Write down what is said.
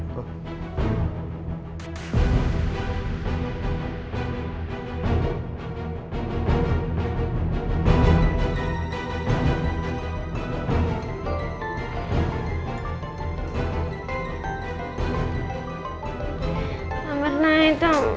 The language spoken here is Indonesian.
kamer naik dong